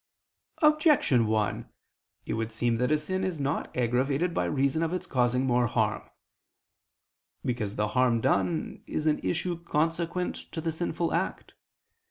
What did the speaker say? Objection 1: It would seem that a sin is not aggravated by reason of its causing more harm. Because the harm done is an issue consequent to the sinful act.